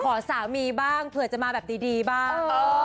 ขอสามีบ้างเผื่อจะมาแบบดีบ้าง